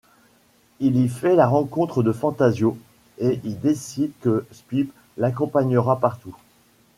Il y fait la rencontre de Fantasio et y décide que Spip l'accompagnera partout.